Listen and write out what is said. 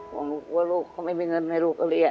หนูกลัวลูกเขาไม่มีเงินให้ลูกก็เรียน